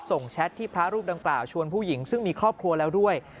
แชทที่พระรูปดังกล่าวชวนผู้หญิงซึ่งมีครอบครัวแล้วด้วย